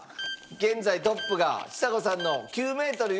現在トップがちさ子さんの９メートル４０。